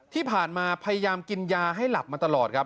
ที่ผ่านมาพยายามกินยาให้หลับมาตลอดครับ